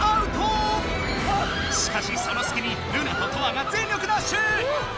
しかしそのすきにルナとトアが全力ダッシュ！